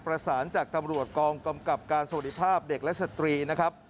ประสานจากตำรวจกองกำกับการสวัสดีภาพเด็กและสตรีนะครับ